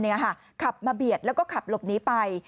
เนี่ยอ่ะค่ะขับมาเบียดแล้วก็ขับหลบนี้ไป